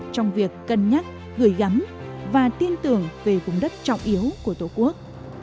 trong việc cân nhắc gửi gắm và tin tưởng về vùng đất trọng yếu của tổ quốc